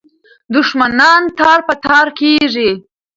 دښمنان تار په تار کېږي.